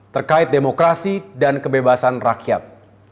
terkait demokrasi dan kebebasan rakyat